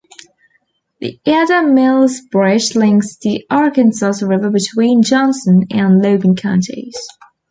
The Ada Mills Bridge links the Arkansas River between Johnson and Logan counties.